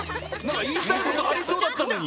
いいたいことありそうだったのに。